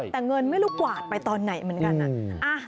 แต่เงินไม่รู้กวาดไปตอนไหนเหมือนกัน